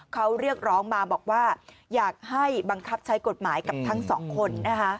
เขาเรียกร้องมาบอกว่าอยากให้บังคับใช้กฎหมายกับทั้งสองคน